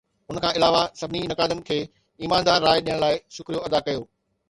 ان کان علاوه، سڀني نقادن کي ايماندار راء ڏيڻ لاء شڪريو ادا ڪيو.